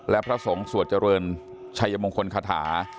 และพระสงฆ์สวดเจริญชัยมงคลคาถา